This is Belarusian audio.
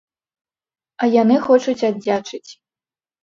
А яны хочуць аддзячыць.